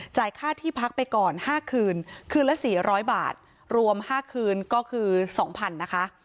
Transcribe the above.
ค่าที่พักไปก่อน๕คืนคืนละ๔๐๐บาทรวม๕คืนก็คือ๒๐๐๐นะคะ